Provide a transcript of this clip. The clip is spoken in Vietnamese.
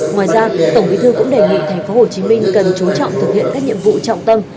ngoài ra tổng bí thư cũng đề nghị tp hcm cần chú trọng thực hiện các nhiệm vụ trọng tâm